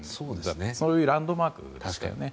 そういうランドマークでしたね。